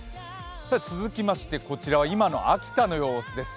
続きまして、こちらは今の秋田の様子です。